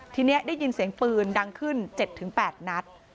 ทีนี้ได้ยินเสียงปืนดังขึ้น๗๘นัด